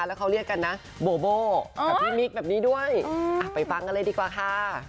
แล้วเขาเรียกกันนะโบโบกับพี่มิ๊กแบบนี้ด้วยไปฟังกันเลยดีกว่าค่ะ